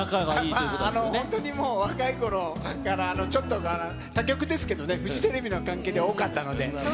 まあ本当にもう若いころから、ちょっと他局ですけどね、フジテレビの関係で多かったので。